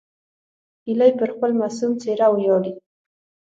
هیلۍ پر خپل معصوم څېره ویاړي